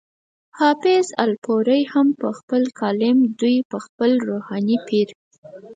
حافظ الپورۍ هم پۀ خپل کالم کې دوي خپل روحاني پير